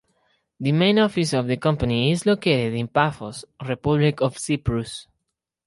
The main office of the company is located in Paphos (Republic of Cyprus).